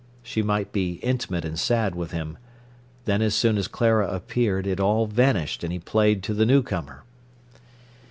She might be intimate and sad with him. Then as soon as Clara appeared, it all vanished, and he played to the newcomer.